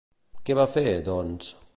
Què va fer, doncs?